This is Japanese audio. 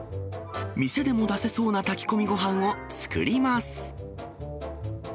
店でも出せそうな炊き込みごはんを作ります。